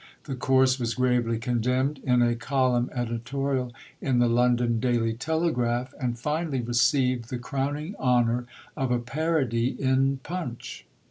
The course was gravely condemned in a column editorial in the London Daily Telegraph, and finally received the crowning honour of a parody in Punch.